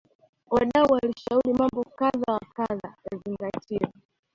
wadau walishauri mambo kadha wa kadha yazingatiwe